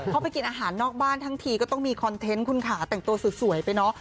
เขาไปกินอาหารนอกบ้านทั้งทีก็ต้องมีคอนเทนต์คุณขาแต่งตัวสวยไปเนอะ